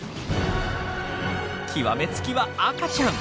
極め付きは赤ちゃん。